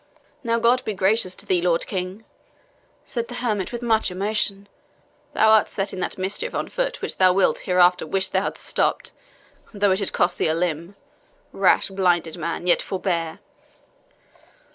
"Now God be gracious to thee, Lord King!" said the hermit, with much emotion; "thou art setting that mischief on foot which thou wilt hereafter wish thou hadst stopped, though it had cost thee a limb. Rash, blinded man, yet forbear!"